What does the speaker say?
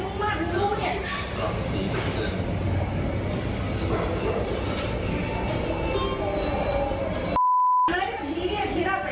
สวัสดีครับคุณผู้ชาย